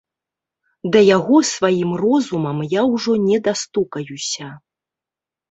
Да яго сваім розумам я ўжо не дастукаюся.